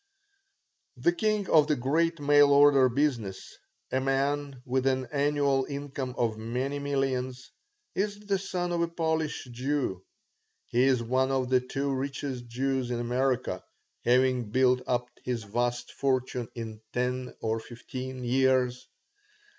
The king of the great mail order business, a man with an annual income of many millions, is the son of a Polish Jew. He is one of the two richest Jews in America, having built up his vast fortune in ten or fifteen years.